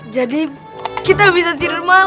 jadi kita bisa tidur malam